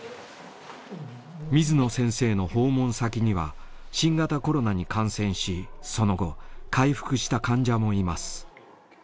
水野先生の訪問先には新型コロナに感染しその後回復した患者もいます。